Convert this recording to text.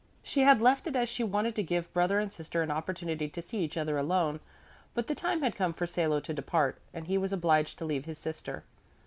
She had left it as she wanted to give brother and sister an opportunity to see each other alone, but the time had come for Salo to depart, and he was obliged to leave his sister.